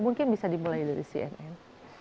mungkin bisa dimulai dari cnn